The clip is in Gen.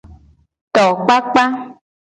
Tokpakpa.